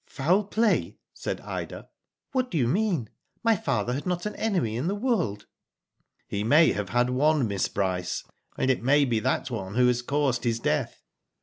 Foul play/' said Ida. "What do you mean? My father had not an enemy in the world." " He may have had one, Miss Bryce, and it may be that one who has caused his death.